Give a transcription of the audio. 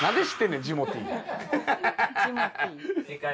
ジモティー。